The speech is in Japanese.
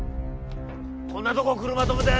こんなとこ車止めた奴！